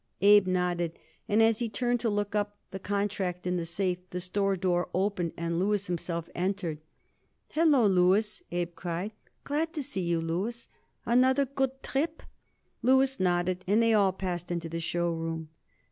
Abe nodded, and as he turned to look up the contract in the safe the store door opened and Louis himself entered. "Hallo, Louis," Abe cried. "Glad to see you, Louis. Another good trip?" Louis nodded, and they all passed into the show room.